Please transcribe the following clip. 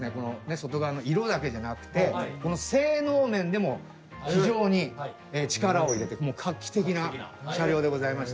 外側の色だけじゃなくてこの性能面でも非常に力を入れて画期的な車両でございまして。